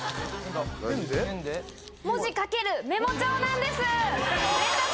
文字書けるメモ帳なんです！